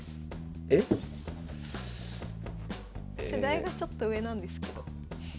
世代がちょっと上なんですけど。